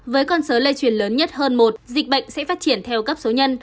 với con số lây truyền lớn nhất hơn một dịch bệnh sẽ phát triển theo cấp số nhân